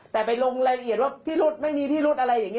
แต่ไปลงรายละเอียดว่าพิรุษไม่มีพิรุธอะไรอย่างนี้